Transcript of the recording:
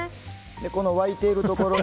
この沸いているところに。